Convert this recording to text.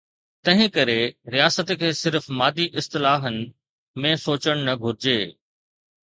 تنهن ڪري، رياست کي صرف مادي اصطلاحن ۾ سوچڻ نه گهرجي.